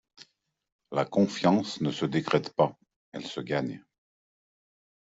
La confiance ne se décrète pas, elle se gagne.